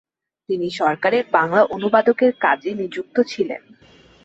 তিনি সরকারের বাংলা অনুবাদকের কাজে নিযুক্ত ছিলেন।